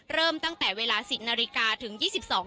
เริ่มตั้งแต่เวลา๑๐นาฬิกาถึง๒๒นาที